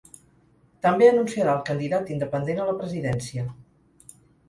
També anunciarà el candidat independent a la presidència.